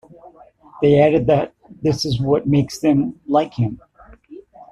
They added that this is what makes them like him.